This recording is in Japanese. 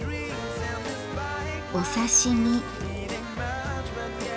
お刺身。